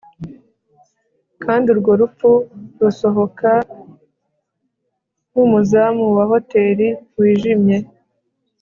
kandi urwo rupfu rusohoka, nkumuzamu wa hoteri wijimye